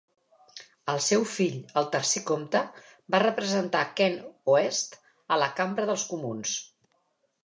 El seu fill, el tercer Comte, va representar Kent Oest a la Cambra dels Comuns.